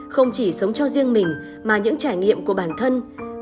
không chỉ sống cho riêng mình mà những trải nghiệm của bản thân